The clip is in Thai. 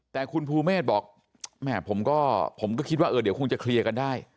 แต่คุณภูเมฆบอกแม่ผมก็คิดว่าเดี๋ยวคงจะเคลียร์กันได้